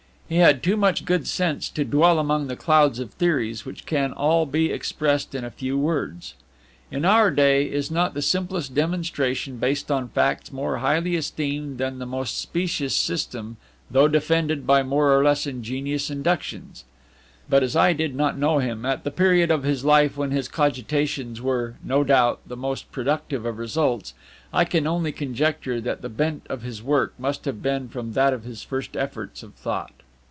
He had too much good sense to dwell among the clouds of theories which can all be expressed in a few words. In our day, is not the simplest demonstration based on facts more highly esteemed than the most specious system though defended by more or less ingenious inductions? But as I did not know him at the period of his life when his cogitations were, no doubt, the most productive of results, I can only conjecture that the bent of his work must have been from that of his first efforts of thought.